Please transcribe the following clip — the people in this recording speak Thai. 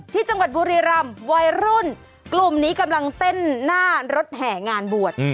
ที่จังหวัดบุรีรำวัยรุ่นกลุ่มนี้กำลังเต้นหน้ารถแห่งานบวช